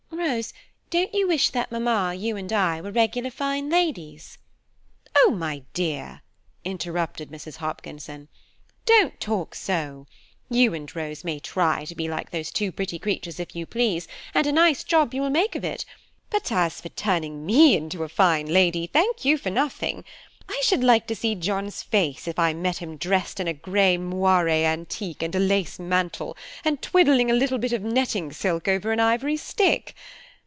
Rose, don't you wish that mamma, and you, and I, were regular fine ladies?" "Oh, my dear," interrupted Mrs. Hopkinson, "don't talk so. You and Rose may try to be like those two pretty creatures if you please, and a nice job you will make of it; but as for turning me into a fine lady, thank you for nothing. I should like to see John's face if I met him dressed in a grey moire antique and a lace mantle, and twiddling a little bit of netting silk over an ivory stick.